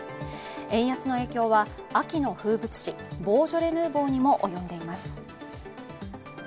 円安の影響は秋の風物詩、ボージョレ・ヌーボーにも及んでいます。